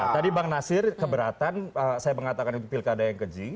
tadi bang nasir keberatan saya mengatakan itu pilkada yang keji